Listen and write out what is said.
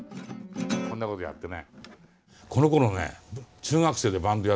こんなことやってね。